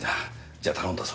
じゃあ頼んだぞ。